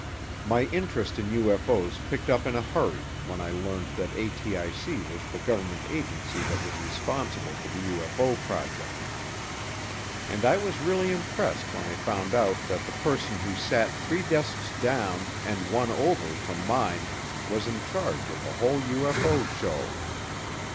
My interest in UFO's picked up in a hurry when I learned that ATIC was the government agency that was responsible for the UFO project. And I was really impressed when I found out that the person who sat three desks down and one over from mine was in charge of the whole UFO show.